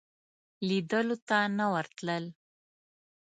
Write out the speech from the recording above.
لیدلو ته نه ورتلل.